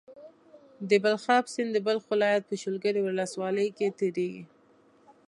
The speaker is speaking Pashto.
د بلخاب سيند د بلخ ولايت په شولګرې ولسوالۍ کې تيريږي.